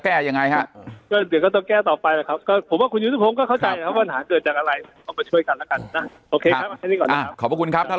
เดือนก็ต้องแก้ต่อไปครับก็ผมว่าคุณคุณทุกผม